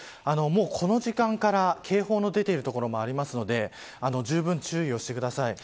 この時間から警報の出ている所もありますのでじゅうぶん注意をしてください。